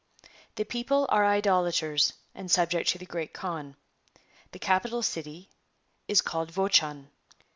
The people are Idolaters and subject to the Great Kaan. The capital city is called Vochax.